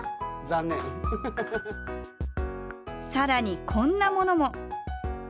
さらに、こんなものも。